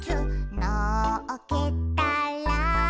「のっけたら」